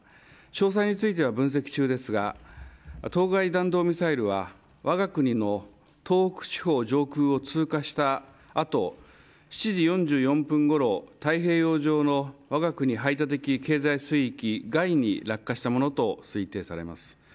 詳細については分析中ですが当該弾道ミサイルはわが国の東北地方上空を通過した後７時４４分ごろ太平洋上のわが国排他的経済水域外に落下したものと推定されます。